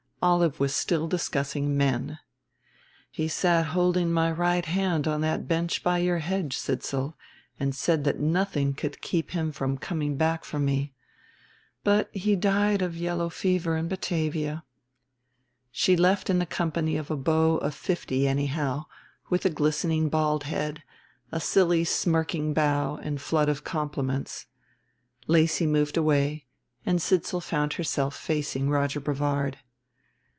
Olive was still discussing men. "He sat holding my hand right on that bench by your hedge, Sidsall, and said that nothing could keep him from coming back for me, but he died of yellow fever in Batavia." She left in the company of a beau of fifty anyhow, with a glistening bald head, a silly smirking bow and flood of compliments. Lacy moved away and Sidsall found herself facing Roger Brevard.